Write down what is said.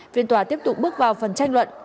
phiên tòa tiếp tục bước vào phần tranh luận